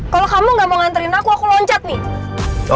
kalau kamu gak mau nganterin aku aku loncat nih